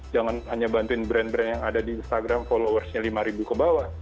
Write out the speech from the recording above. jangan hanya bantuin brand brand yang ada di instagram followersnya lima ribu ke bawah